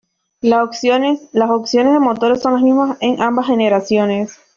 Las opciones de motores son los mismos en ambas generaciones.